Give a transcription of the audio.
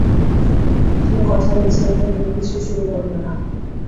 তুমি কথা দিয়েছিলে যে তুমি কিছু শুরু করবে না।